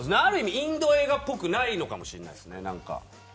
インド映画っぽくないのかもしれないですね。